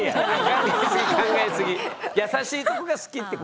優しいとこが好きってことよ。